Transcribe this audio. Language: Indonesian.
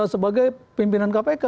sebagai pimpinan kpk